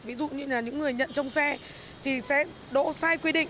ví dụ như là những người nhận trong xe thì sẽ đỗ sai quy định